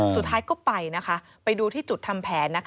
สุดท้ายก็ไปนะคะไปดูที่จุดทำแผน